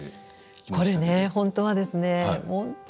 これは本当にですね